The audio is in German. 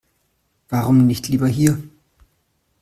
Warum nicht lieber hier?